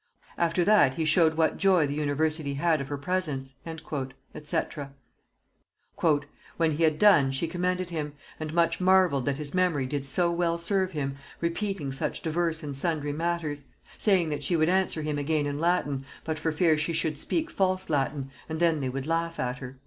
After that he showed what joy the university had of her presence" &c. "When he had done she commended him, and much marvelled that his memory did so well serve him, repeating such diverse and sundry matters; saying that she would answer him again in Latin, but for fear she should speak false Latin, and then they would laugh at her."